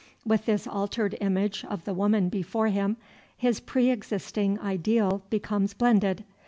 With this altered image of the woman before him, his preexisting ideal becomes blended.